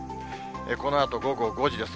このあと午後５時です。